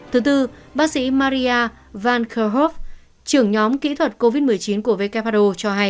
thứ tư bác sĩ maria van koehoff trưởng nhóm kỹ thuật covid một mươi chín của vkpro cho hay